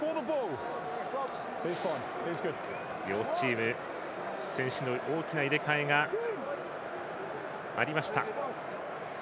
両チーム、選手の大きな入れ替えがありました。